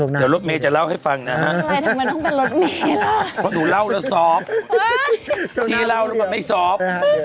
เดี๋ยวรถเมย์จะเล่าให้ฟังนะฮะทำไมต้องเป็นรถเมย์ล่ะเพราะหนูเล่าแล้วซอฟพี่เล่าแล้วมันไม่ซอฟ